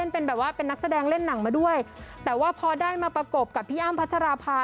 เป็นแบบว่าเป็นนักแสดงเล่นหนังมาด้วยแต่ว่าพอได้มาประกบกับพี่อ้ำพัชราภา